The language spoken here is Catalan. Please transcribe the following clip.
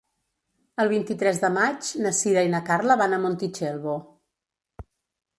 El vint-i-tres de maig na Sira i na Carla van a Montitxelvo.